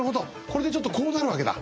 これでちょっとこうなるわけだ。